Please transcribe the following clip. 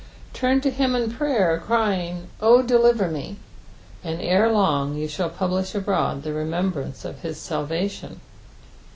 Turn to him in prayer, ciring, " O deliver me," and ere long you Bball publish abroad the remembranco of bis talvation.